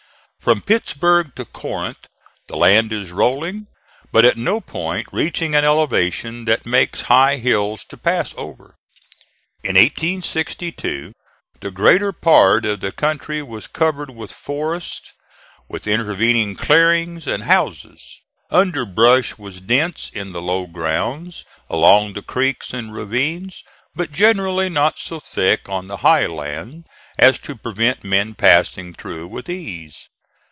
From Pittsburg to Corinth the land is rolling, but at no point reaching an elevation that makes high hills to pass over. In 1862 the greater part of the country was covered with forest with intervening clearings and houses. Underbrush was dense in the low grounds along the creeks and ravines, but generally not so thick on the high land as to prevent men passing through with ease.